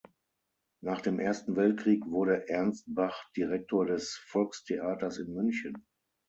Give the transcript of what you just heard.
Nach dem Ersten Weltkrieg wurde Ernst Bach Direktor des Volkstheaters in München.